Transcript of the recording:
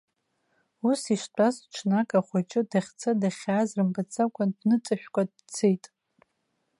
Ус иштәаз, ҽнак ахәыҷы дахьца-дахьааз рымбаӡакәа дныҵашәкәа дцеит.